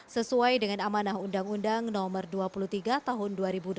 sesuai dengan amanah undang undang no dua puluh tiga tahun dua ribu delapan belas